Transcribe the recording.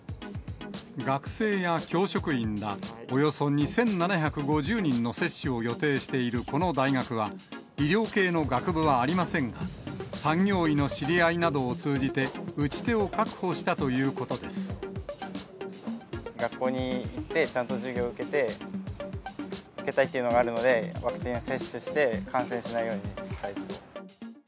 学生や教職員ら、およそ２７５０人の接種を予定しているこの大学は、医療系の学部はありませんが、産業医の知り合いなどを通じて、学校に行って、ちゃんと授業を受けて、受けたいっていうのがあるので、ワクチン接種して、感染しないようにしたいと思います。